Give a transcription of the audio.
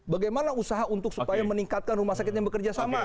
bagaimana usaha untuk supaya meningkatkan rumah sakit yang bekerja sama